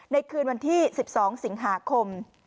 ในคืนวันที่๑๒สิงหาคม